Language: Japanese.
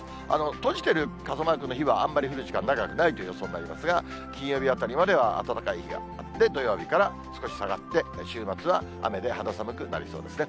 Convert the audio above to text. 閉じてる傘マークの日はあんまり降る時間長くないという予想になりますが、金曜日あたりまでは暖かい日が、で、土曜日から少し下がって、週末は雨で、肌寒くなりそうですね。